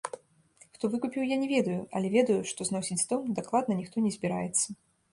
Хто выкупіў, я не ведаю, але ведаю, што зносіць дом дакладна ніхто не збіраецца.